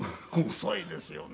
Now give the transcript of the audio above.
遅いですよね。